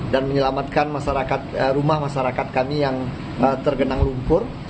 dan menyelamatkan rumah masyarakat kami yang tergenang lumpur